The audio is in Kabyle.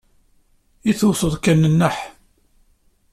I tewteḍ kan nneḥ?